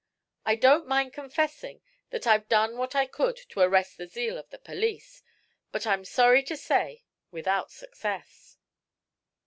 I don't mind confessing that I've done what I could to arrest the zeal of the police, but I'm sorry to say, without success."